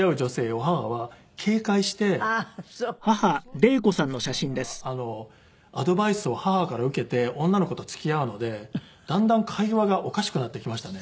だからそういうとんちんかんなアドバイスを母から受けて女の子と付き合うのでだんだん会話がおかしくなってきましたね。